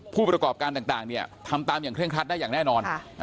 ผู้ประกอบการต่างเนี่ยทำตามอย่างเร่งครัดได้อย่างแน่นอน